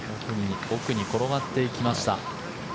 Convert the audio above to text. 奥に転がっていきました。